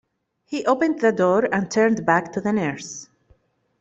He opened the door and turned back to the nurse.